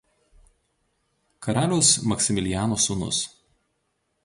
Karaliaus Maksimiliano sūnus.